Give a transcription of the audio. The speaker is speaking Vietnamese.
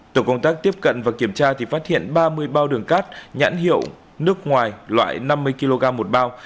tổ công tác tiếp cận và kiểm tra thì phát hiện ba mươi bao đường cát nhãn hiệu nước ngoài loại năm mươi kg một bao